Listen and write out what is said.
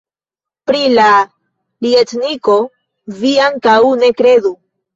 Pri la ljetniko vi ankaŭ ne kredu!